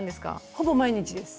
ほぼ毎日です。